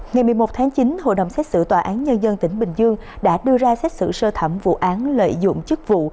ngày một mươi một tháng chín hội đồng xét xử tòa án nhân dân tỉnh bình dương đã đưa ra xét xử sơ thẩm vụ án lợi dụng chức vụ